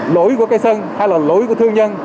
lỗi của cây sân hay là lỗi của thương nhân